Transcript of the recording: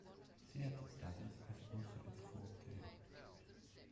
Theatre Studies is also its forte.